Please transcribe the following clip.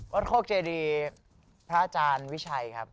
วัดโคกเจดีพระอาจารย์วิบัติวิชัย